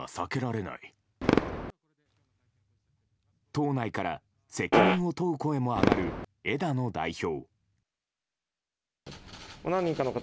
党内から責任を問う声も上がる枝野代表。